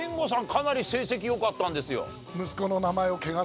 かなり成績良かったんですよ。